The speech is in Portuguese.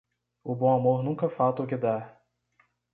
O bom amor nunca falta o que dar.